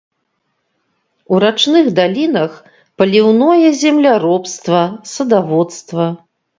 У рачных далінах паліўное земляробства, садаводства.